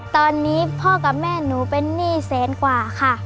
ตอนนี้พ่อกับแม่หนูเป็นหนี้แสนกว่าค่ะ